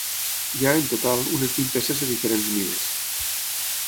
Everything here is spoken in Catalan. Hi ha, en total, unes vint peces de diferents mides.